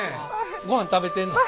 ごはん食べてんの？